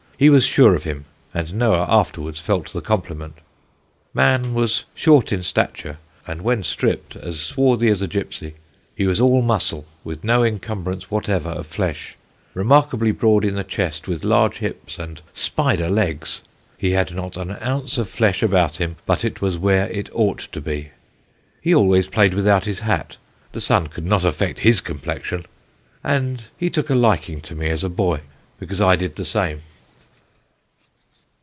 He was sure of him, and Noah afterwards felt the compliment. Mann was short in stature, and, when stripped, as swarthy as a gipsy. He was all muscle, with no incumbrance whatever of flesh; remarkably broad in the chest, with large hips and spider legs; he had not an ounce of flesh about him, but it was where it ought to be. He always played without his hat (the sun could not affect his complexion), and he took a liking to me as a boy, because I did the same."